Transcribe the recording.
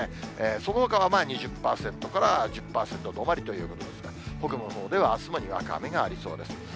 そのほかは２０％から１０％止まりということですが、北部のほうではあすもにわか雨がありそうです。